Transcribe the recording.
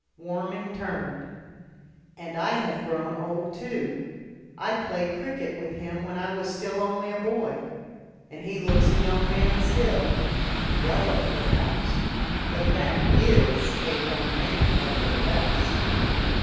Warming turned. "And I have grown old too. I played cricket with him when I was still only a boy. And he looks a young man still. Yellow perhaps. But that is a young man nevertheless."